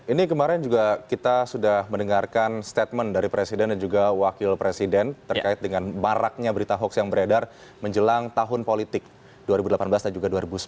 ini kemarin juga kita sudah mendengarkan statement dari presiden dan juga wakil presiden terkait dengan baraknya berita hoax yang beredar menjelang tahun politik dua ribu delapan belas dan juga dua ribu sembilan belas